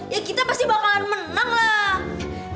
ya kita pasti bakalan menang lah